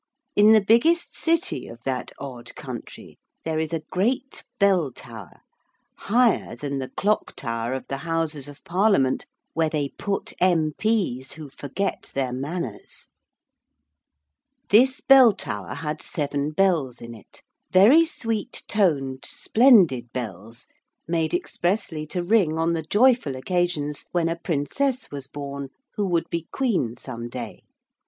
In the biggest city of that odd country there is a great bell tower (higher than the clock tower of the Houses of Parliament, where they put M.P.'s who forget their manners). This bell tower had seven bells in it, very sweet toned splendid bells, made expressly to ring on the joyful occasions when a princess was born who would be queen some day.